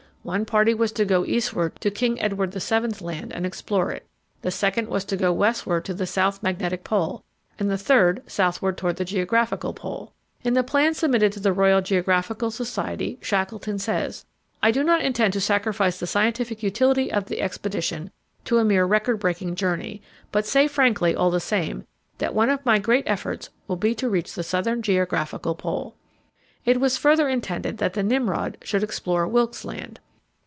One party was to go eastward to King Edward VII. Land and explore it, the second was to go westward to the South Magnetic Pole, and the third southward toward the Geographical Pole. In the plan submitted to the Royal Geographical Society Shackleton says: "I do not intend to sacrifice the scientific utility of the expedition to a mere record breaking journey, but say frankly, all the same, that one of my great efforts will be to reach the Southern Geographical Pole." It was further intended that the Nimrod should explore Wilkes Land.